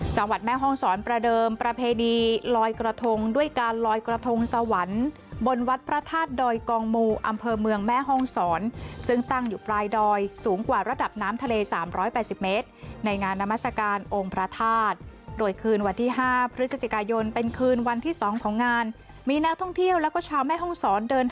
แม่ห้องศรประเดิมประเพณีลอยกระทงด้วยการลอยกระทงสวรรค์บนวัดพระธาตุดอยกองมูอำเภอเมืองแม่ห้องศรซึ่งตั้งอยู่ปลายดอยสูงกว่าระดับน้ำทะเล๓๘๐เมตรในงานนามัศกาลองค์พระธาตุโดยคืนวันที่๕พฤศจิกายนเป็นคืนวันที่๒ของงานมีนักท่องเที่ยวแล้วก็ชาวแม่ห้องศรเดิน